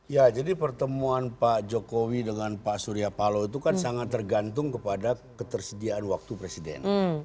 ya jadi pertemuan pak jokowi dengan pak surya paloh itu kan sangat tergantung kepada ketersediaan waktu presiden